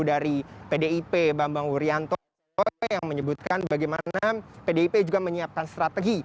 dari pdip bambang wuryanto yang menyebutkan bagaimana pdip juga menyiapkan strategi